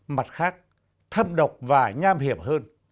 mặt khác thâm độc và nham hiểm hơn